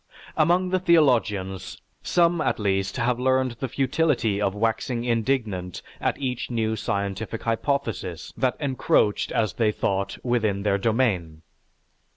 "_) Among the theologians, some at least have learned the futility of waxing indignant at each new scientific hypothesis that encroached, as they thought, within their domain.